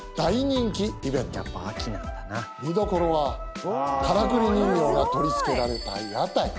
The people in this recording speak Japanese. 見どころはからくり人形が取り付けられた屋台。